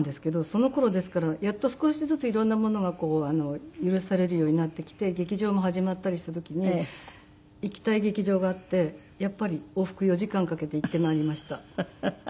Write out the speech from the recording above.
その頃ですからやっと少しずつ色んなものが許されるようになってきて劇場も始まったりした時に行きたい劇場があってやっぱり往復４時間かけて行ってまいりました。